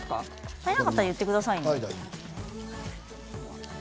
足りなかったら言ってくださいね。